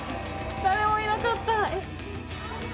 誰もいなかった。